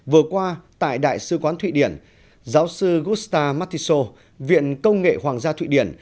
vừa qua tại đại sư quán thụy điển giáo sư gustave mathiso viện công nghệ hoàng gia thụy điển